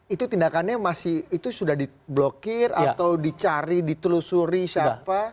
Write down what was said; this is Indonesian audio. itu tindakannya masih itu sudah diblokir atau dicari ditelusuri siapa